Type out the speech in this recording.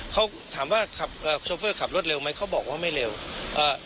เขาถามว่าขับเอ่อโชเฟอร์ขับรถเร็วไหมเขาบอกว่าไม่เร็วอ่า